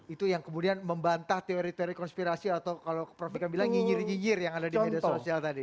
itu yang kemudian membantah teori teori konspirasi atau kalau prof ikam bilang nyinyir nyinyir yang ada di media sosial tadi